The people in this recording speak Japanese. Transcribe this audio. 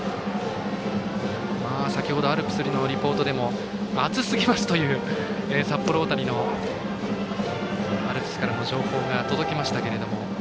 先程アルプスのリポートでも暑すぎますという札幌大谷のアルプスからの情報が届きましたが。